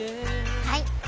はい！